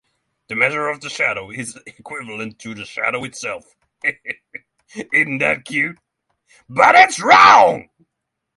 The measure of the shadow is equivalent to the shadow itself.